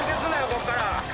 ここから。